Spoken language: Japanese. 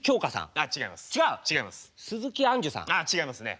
あっ違いますね。